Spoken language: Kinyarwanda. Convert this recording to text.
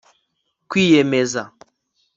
kwiyemeza